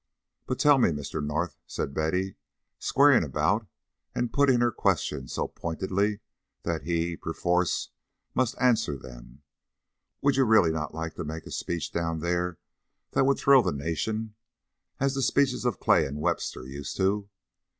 "But tell me, Mr. North," said Betty, squaring about and putting her questions so pointedly that he, perforce, must answer them, "would you really not like to make a speech down there that would thrill the nation, as the speeches of Clay and Webster used to?